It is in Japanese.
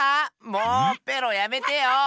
もうペロやめてよ。